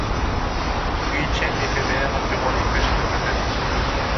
Une chaîne éphémère durant les fêtes de fin d'année.